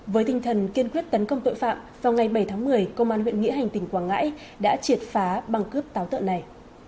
với tinh thần kiên quyết tấn công tội phạm vào ngày bảy tháng một mươi công an huyện nghĩa hành tỉnh quảng ngãi đã triệt phá băng cướp táo tợn này